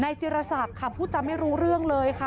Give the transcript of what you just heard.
ในจรภาพชาติพูดจะไม่รู้เรื่องเลยค่ะ